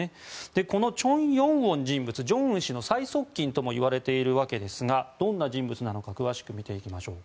このチョ・ヨンウォン氏は正恩氏の最側近ともいわれていますがどんな人物か詳しく見ていきましょう。